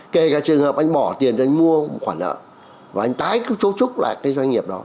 kể cả trường hợp anh bỏ tiền anh mua một khoản nợ và anh tái cấu trúc lại cái doanh nghiệp đó